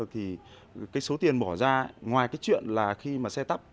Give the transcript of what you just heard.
thì cái số tiền bỏ ra ngoài cái chuyện là khi mà xe tắp